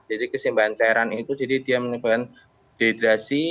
kesimbangan cairan itu jadi dia menyebabkan dehidrasi